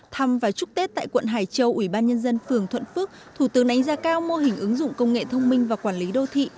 thăm và chúc tết tại quận hải châu ủy ban nhân dân phường thuận phước thủ tướng đánh giá cao mô hình ứng dụng công nghệ thông minh và quản lý đô thị